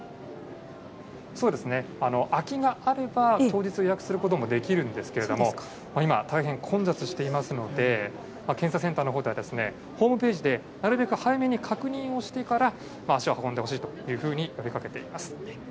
そうですね、空きがあれば、当日予約することもできるんですけれども、今、大変混雑していますので、検査センターのほうでは、ホームページでなるべく早めに確認をしてから足を運んでほしいというふうに呼びかけています。